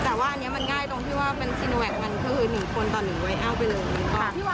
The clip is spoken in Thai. แต่ว่าอันเนี้ยมันง่ายตรงที่ว่าเป็นมันคือหนึ่งคนต่อหนึ่งวัยเอ้าไปเลย